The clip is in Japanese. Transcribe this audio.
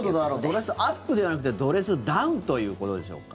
ドレスアップじゃなくてドレスダウンということでしょうか。